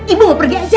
ibu mau pergi aja